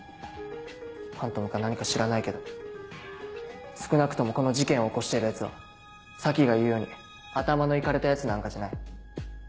ファントムか何か知らないけど少なくともこの事件を起こしているヤツは佐木が言うように頭のイカれたヤツなんかじゃない。